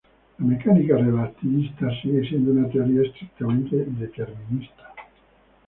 La mecánica relativista sigue siendo una teoría estrictamente determinista.